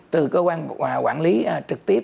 từ cơ quan quản lý trực tiếp